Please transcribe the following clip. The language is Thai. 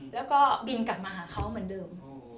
แล้วก็บินกลับมาหาเขาเหมือนเดิม